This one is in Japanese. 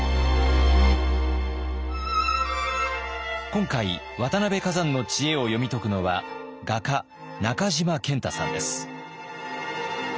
今回渡辺崋山の知恵を読み解くのは画家中島健太さんです。